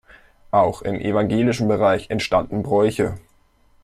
Auch im evangelischen Bereich entstanden Bräuche.